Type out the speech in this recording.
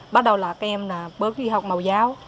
bắt đầu là các em bớt đi học màu giáo